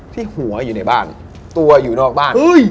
ที่หัวอยู่ในบ้านตัวอยู่นอกบ้าน